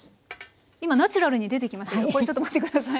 今ナチュラルに出てきましたけどちょっと待って下さい。